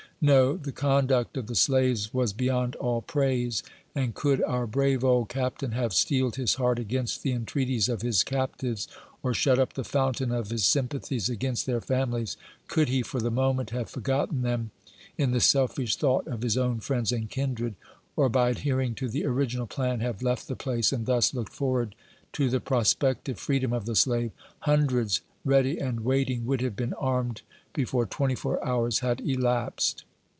No, the conduct of the slaves was be <>2 A VOICK FROM HARPER 's FKRRV. youd all praise ; and could our brave old Captain have steeled his heart against the entreaties of his captives, or shut up the fountain of his sympathies against their families — could he, for the moment, have forgotten them, in the selfish thought of his own friends and kindred, or, by adhering to the original plan, have left the place, and thus looked forward to the pros pective freedom of the slave — hundreds ready and waiting would have been armed before twenty four hours had elapsed.